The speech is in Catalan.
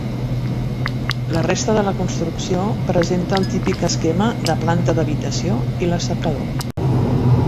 La resta de la construcció presenta el típic esquema de planta d'habitació i l'assecador.